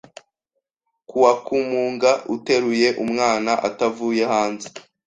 kua ku muga uteruye umwana atavuye hanze